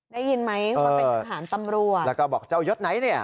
แล้วก็บอกเจ้ายศไหนเนี่ย